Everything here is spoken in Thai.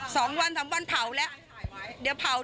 สองวันสามวันเผาแล้วเดี๋ยวเผา